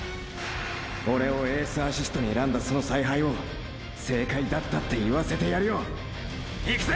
オレをエースアシストに選んだその采配を正解だったって言わせてやるよ！！いくぜ！！